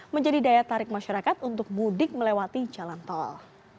menjadi daya tarik masyarakat untuk mudik melewati jalan tol